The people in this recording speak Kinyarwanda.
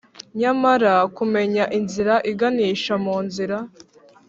nyamara kumenya inzira iganisha munzira,